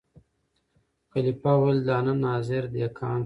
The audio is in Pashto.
خلیفه ویل دا نن حاضر دهقان کړی